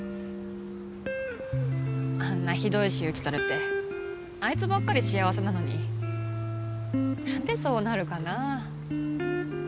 あんなひどい仕打ちされてあいつばっかり幸せなのに何でそうなるかな。